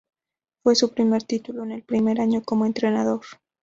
Fue su primer título en el primer año como entrenador.